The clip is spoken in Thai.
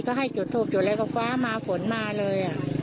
ก็ให้จุดทูบจุดอะไรก็ฟ้ามาฝนมาเลย